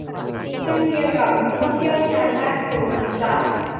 เช่นเดียวกับผู้เชี่ยวชาญด้านผิวหนังจาก